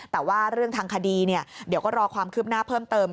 แต่ว่าเรื่องทางคดีเดี๋ยวก็รอความคืบหน้าเพิ่มเติม